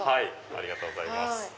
ありがとうございます。